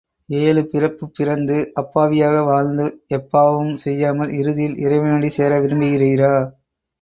ஏழு பிறப்புப் பிறந்து அப்பாவியாக வாழ்ந்து எப்பாவமும் செய்யாமல் இறுதியில் இறைவனடி சேர விரும்புகிறீரா?